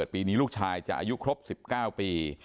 ปีนี้ลูกชายจะอายุครบ๑๙ปี